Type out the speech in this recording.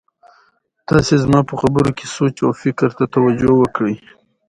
ازادي راډیو د بیکاري په اړه د پرمختګ لپاره د ستراتیژۍ ارزونه کړې.